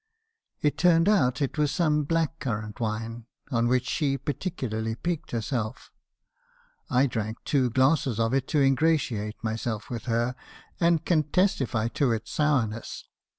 It turned out it was some black currant wine, on which she particularly piqued herself; I drank two glasses of it to ingratiate myself with her, and can testify to its sourness.